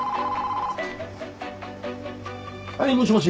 ☎はいもしもし。